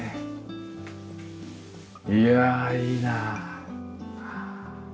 いやいいなあ。